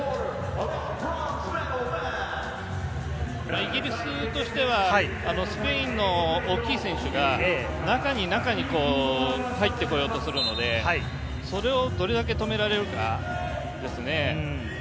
イギリスとしてはスペインの大きい選手が中に中に入ってこようとするので、それをどれだけ止められるかですね。